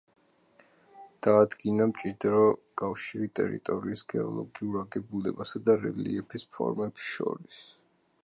დაადგინა მჭიდრო კავშირი ტერიტორიის გეოლოგიურ აგებულებასა და რელიეფის ფორმებს შორის.